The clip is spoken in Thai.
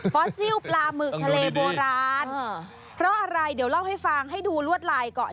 อสซิลปลาหมึกทะเลโบราณเพราะอะไรเดี๋ยวเล่าให้ฟังให้ดูลวดลายก่อน